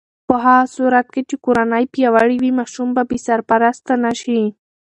په هغه صورت کې چې کورنۍ پیاوړې وي، ماشوم به بې سرپرسته نه شي.